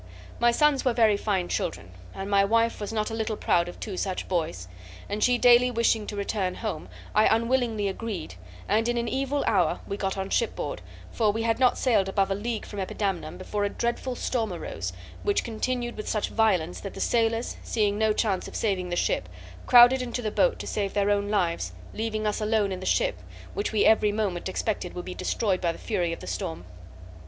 "My sons were very fine children, and my wife was not a little proud of two such boys; and she daily wishing to return home, I unwillingly agreed, and in an evil hour we got on shipboard, for we had not sailed above a league from Epidamnum before a dreadful storm arose, which continued with such violence that the sailors, seeing no chance of saving the ship, crowded into the boat to save their own lives, leaving us alone in the ship, which we every moment expected would be destroyed by the fury of the storm.